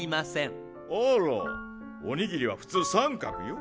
あらおにぎりは普通三角よ。